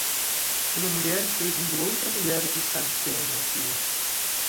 Uma mulher servindo outra mulher que está esperando na fila.